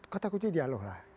kata kunci dialuh lah